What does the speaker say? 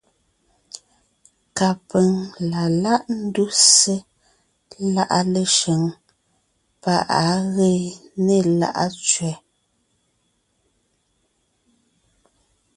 Kapʉ̀ŋ la láʼ ńduse láʼa Leshʉŋ pá ʼ á gee né Láʼa tsẅɛ.